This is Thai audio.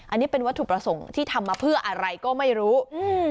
อันนี้เป็นวัตถุประสงค์ที่ทำมาเพื่ออะไรก็ไม่รู้อืม